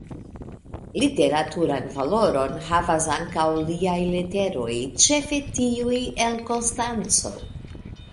Literaturan valoron havas ankaŭ liaj leteroj, ĉefe tiuj el Konstanco.